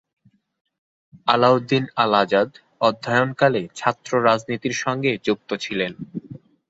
আলাউদ্দিন আল আজাদ অধ্যয়নকালে ছাত্র রাজনীতির সঙ্গে যুক্ত ছিলেন।